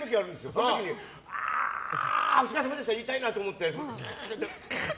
その時に、お疲れさまでした言いたいなと思って。